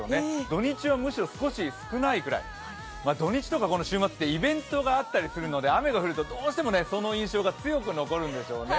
土日はむしろ少し少ないぐらい土日とかこの週末って、イベントがあったりするので雨が降るとどうしてもその印象が強く残るんでしょうね。